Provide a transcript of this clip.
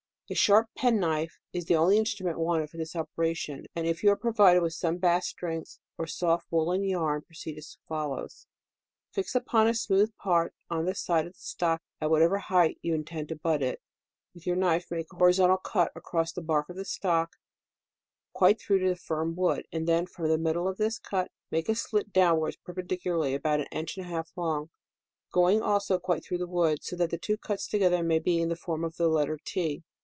A sharp penknife is the only instrument wanted for this operation ; and if you are provided with some bass strings or soft wool len yarn, proceed as follows : i; Fix upon a smooth part on the side of the stock, at whatever height you intend to bud it, with your knife make a horizontal cut across the bark of the stock, quite through to the firm wood, then from the middle of this cut, make a slit downwards perpendicularly, about an inch and a half long, going, also, quite through to the wood, so that the two cuts together may be in the form of the let ter T.